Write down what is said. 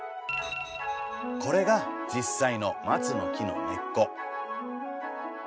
これが実際のマツの木の根っこ。